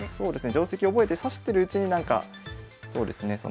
定跡覚えて指してるうちになんかそうですね